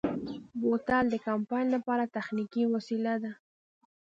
بوتل د کمپاین لپاره تخنیکي وسیله ده.